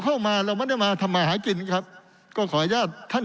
เข้ามาเราไม่ได้มาทำมาหากินครับก็ขออนุญาตท่าน